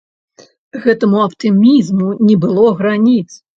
Гэтаму аптымізму не было граніц.